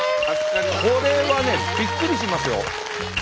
これはねびっくりしますよ。